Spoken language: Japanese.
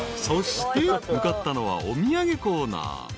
［そして向かったのはお土産コーナー］